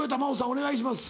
お願いします。